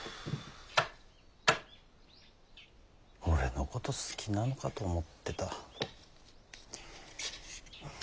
俺のこと好きなのかと思ってた。